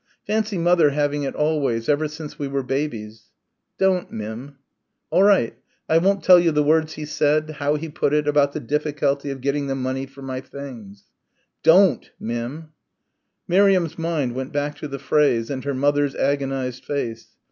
Fancy mother having it always, ever since we were babies." "Don't, Mim." "All right. I won't tell you the words he said, how he put it about the difficulty of getting the money for my things." "Don't, Mim." Miriam's mind went back to the phrase and her mother's agonised face.